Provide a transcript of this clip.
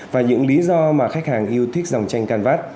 và những lý do mà khách hàng yêu thích dòng tranh can vát